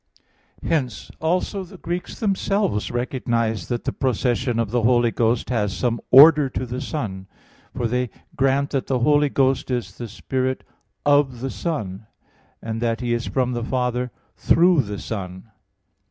Hence also the Greeks themselves recognize that the procession of the Holy Ghost has some order to the Son. For they grant that the Holy Ghost is the Spirit "of the Son"; and that He is from the Father "through the Son."